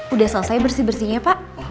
udah selesai bersih bersihnya pak